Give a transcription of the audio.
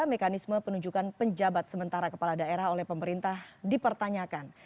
mekanisme penunjukan penjabat sementara kepala daerah oleh pemerintah dipertanyakan